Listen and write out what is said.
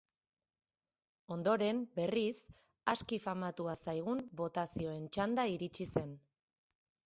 Ondoren, berriz, aski famatua zaigun botazioen txanda iritsi zen.